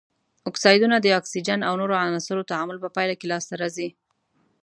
اکسایدونه د اکسیجن او نورو عناصرو تعامل په پایله کې لاس ته راځي.